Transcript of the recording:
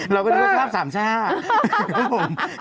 เราก็จะรู้คราบสามชาพ